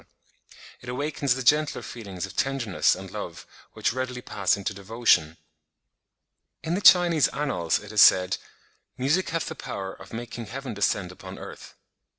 It awakens the gentler feelings of tenderness and love, which readily pass into devotion. In the Chinese annals it is said, "Music hath the power of making heaven descend upon earth."